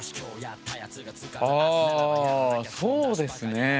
あそうですね。